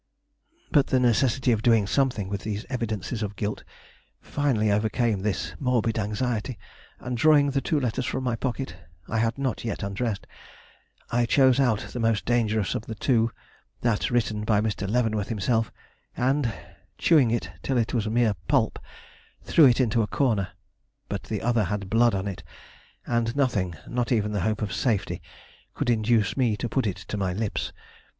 But the necessity of doing something with these evidences of guilt finally overcame this morbid anxiety, and drawing the two letters from my pocket I had not yet undressed I chose out the most dangerous of the two, that written by Mr. Leavenworth himself, and, chewing it till it was mere pulp, threw it into a corner; but the other had blood on it, and nothing, not even the hope of safety, could induce me to put it to my lips.